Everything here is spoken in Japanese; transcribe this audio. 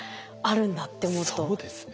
そうですね。